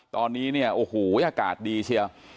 ตอนนี้เนี่ยโอ้โหอากาศดีเชียว